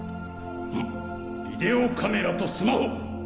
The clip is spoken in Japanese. ビデオカメラとスマホ。